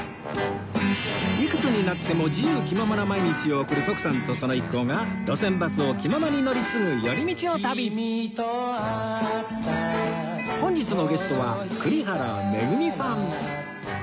いくつになっても自由気ままな毎日を送る徳さんとその一行が路線バスを気ままに乗り継ぐ寄り道の旅本日のゲストは栗原恵さん